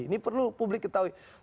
ini perlu publik ketahui